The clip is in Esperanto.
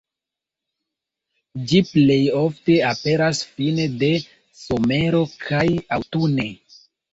Ĝi plej ofte aperas fine de somero kaj aŭtune.